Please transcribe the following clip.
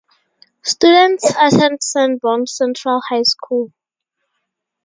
Students attend Sanborn Central High School.